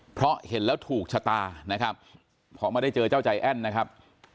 เพราะเห็นแล้วถูกชะตานะครับพอมาได้เจอเจ้าใจแอ้นนะครับ